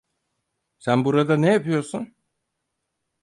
Sen burada ne yapıyorsun?